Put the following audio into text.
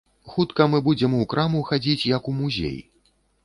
Хутка мы будзем у краму хадзіць, як у музей.